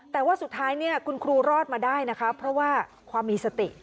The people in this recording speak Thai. แต่ว่าสุดท้ายเนี่ยคุณครูรอดมาได้นะคะเพราะว่าความมีสติ